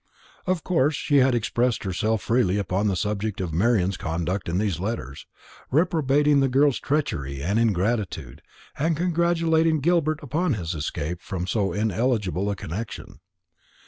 Of course she had expressed herself freely upon the subject of Marian's conduct in these letters, reprobating the girl's treachery and ingratitude, and congratulating Gilbert upon his escape from so ineligible a connection.